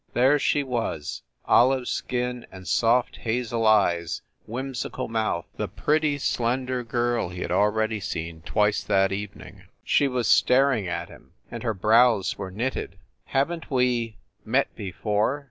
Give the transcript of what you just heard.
There she was, olive skin and soft hazel eyes, whimsical mouth the pretty, slender girl he had already seen twice that evening. She was staring at him, and her brows were knitted. "Haven t we met before?"